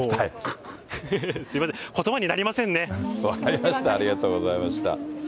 すみません、ことばになりま分かりました、ありがとうございました。